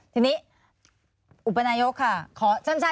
ทีนี้อุปนโยคค่ะ